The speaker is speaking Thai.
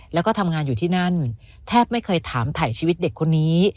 แล้วก็ทำงานอยู่ที่นั่นแทบไม่เคยถามถ่ายชีวิตเด็กคนนี้